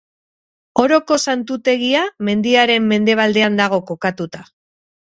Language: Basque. Oroko Santutegia mendiaren mendebaldean dago kokatuta.